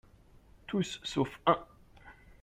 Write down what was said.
Tous, sauf un